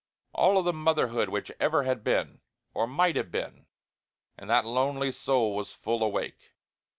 All the motherhood which ever had been, or might have been, in that lonely soul was full awake.